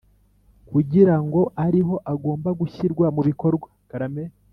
kugira ngo ariho agomba gushyirwa mu bikorwa